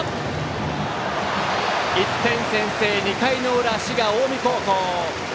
１点先制、２回の裏滋賀・近江。